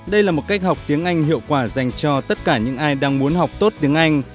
đây là một cách học tiếng anh hiệu quả dành cho tất cả những ai đang muốn học tốt tiếng anh